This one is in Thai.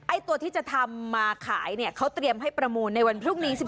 ตัวที่จะทำมาขายเนี่ยเขาเตรียมให้ประมูลในวันพรุ่งนี้